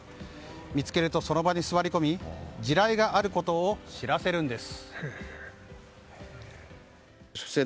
見つけると、その場に座り込み地雷があることを知らせるんです。